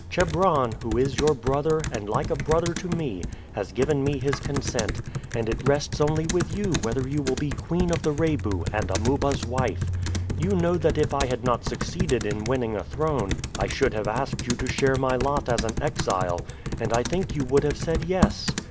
"Chebron, who is your brother, and like a brother to me, has given me his consent, and it rests only with you whether you will be queen of the Rebu and Amuba's wife. You know that if I had not succeeded in winning a throne I should have asked you to share my lot as an exile, and I think you would have said yes.